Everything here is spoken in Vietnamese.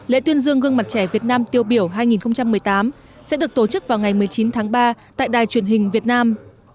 lễ tuyên dương gương mặt trẻ việt nam tiêu biểu hai nghìn một mươi tám sẽ được tổ chức vào ngày một mươi chín tháng ba tại đài truyền hình việt nam